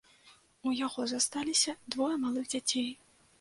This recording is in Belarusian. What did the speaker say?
У яго засталіся двое малых дзяцей.